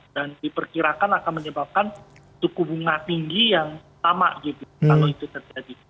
dan diperkirakan akan menyebabkan tuku bunga tinggi yang sama gitu kalau itu terjadi